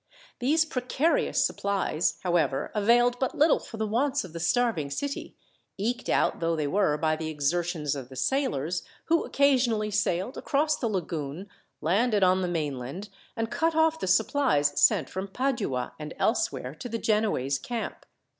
These precarious supplies, however, availed but little for the wants of the starving city, eked out though they were by the exertions of the sailors, who occasionally sailed across the lagoon, landed on the mainland, and cut off the supplies sent from Padua and elsewhere to the Genoese camp.